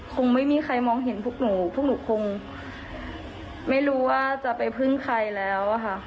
คงไม่มีใครมองเห็นพวกหนูพวกหนูคงไม่รู้ว่าจะไปพึ่งใครแล้วค่ะ